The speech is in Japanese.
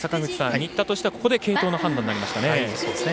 新田としてはここで継投の判断になりましたね。